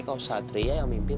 kalau satria yang mimpin